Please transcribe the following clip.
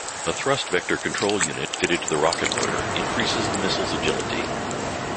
A thrust vector control unit fitted to the rocket motor increases the missile's agility.